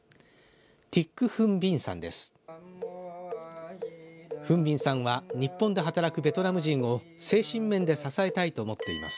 ティック・フン・ビンさんです。